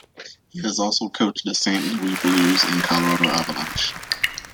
He has also coached the Saint Louis Blues and Colorado Avalanche.